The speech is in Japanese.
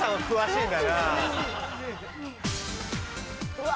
うわ！